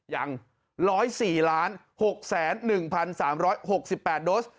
ยัง๑๐๔๖๑๓๖๘โดส